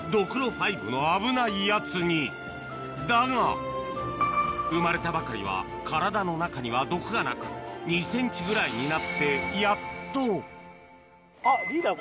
ファイブの危ないやつにだが生まれたばかりは体の中には毒がなく２ｃｍぐらいになってやっとあっリーダー